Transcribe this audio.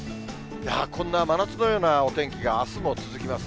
こんな真夏のようなお天気があすも続きます。